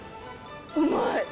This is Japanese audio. うまい。